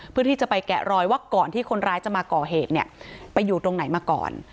เพื่อที่จะไปแกะรอยว่าก่อนที่คนร้ายจะมาก่อเหตุเนี่ยไปอยู่ตรงไหนมาก่อน